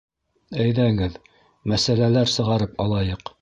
Әйҙәгеҙ, мәсьәләләр сығарып алайыҡ